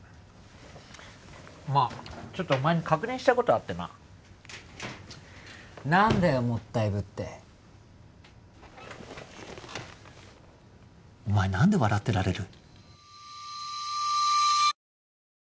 まあちょっとお前に確認したいことあってな何だよもったいぶってお前何で笑ってられる？